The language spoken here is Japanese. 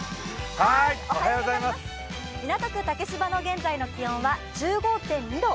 港区竹芝の現在の気温は１５．２度。